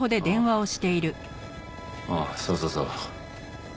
おうそうそうそう。